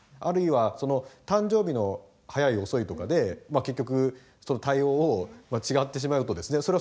あるいは誕生日の早い遅いとかで結局対応を違ってしまうとですね